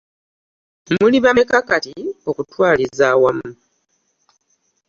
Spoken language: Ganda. Muli bameka kati okutwaliza awamu?